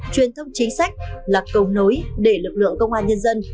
truyền thông chính sách là cầu nối để lực lượng công an nhân dân